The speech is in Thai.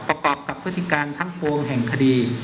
ประกอบกับพฤติการทั้งปวงแห่งคดี